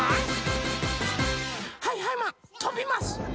はいはいマンとびます！